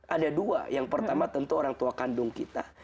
ada dua yang pertama tentu orang tua kandung kita